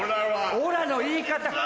「オラ」の言い方。